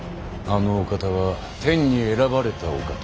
あのお方は天に選ばれたお方。